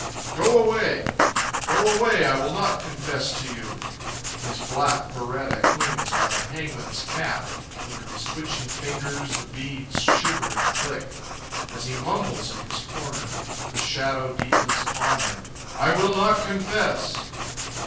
Go away! Go away; I will not confess to you! His black biretta clings like a hangman's cap; under his twitching fingers the beads shiver and click, As he mumbles in his corner, the shadow deepens upon him; I will not confess!...